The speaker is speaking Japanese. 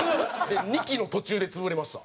２期の途中で潰れました。